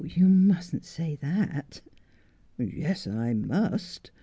You must not say that.' 'Yes I must.